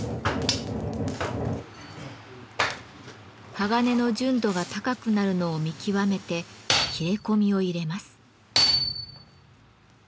鋼の純度が高くなるのを見極めて切れ込みを入れます。